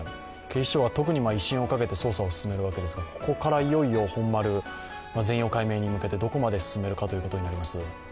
警視庁は特に威信をかけて捜査を進めるわけですがここからいよいよ本丸、全容解明に向けてどこまで進めるかということになります。